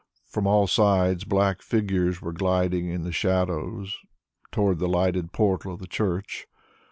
From all sides black figures were gliding in the shadow towards the lighted portal of the church.